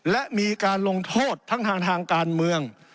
และมีการลงโทษทั้งทางการเมือง